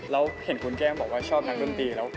แล้วเห็นคุณแก้มบอกว่าชอบนักดนตรีแล้ว